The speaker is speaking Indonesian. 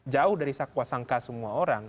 jauh dari sakuasangka semua orang